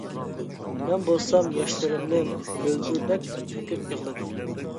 مەن بولسام ياشلىرىمنى مۆلدۈردەك تۆكۈپ يىغلىدىم.